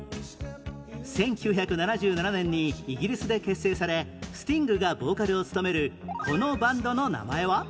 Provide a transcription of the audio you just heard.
１９７７年にイギリスで結成されスティングがボーカルを務めるこのバンドの名前は？